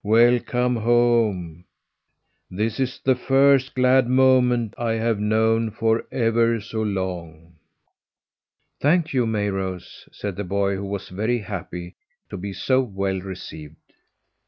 Welcome home! This is the first glad moment I have known for ever so long!" "Thank you, Mayrose!" said the boy, who was very happy to be so well received.